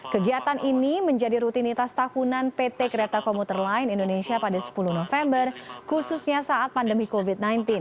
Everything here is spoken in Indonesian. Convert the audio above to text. kegiatan ini menjadi rutinitas tahunan pt kereta komuter lain indonesia pada sepuluh november khususnya saat pandemi covid sembilan belas